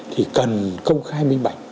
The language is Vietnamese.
thì cần công khai minh bạch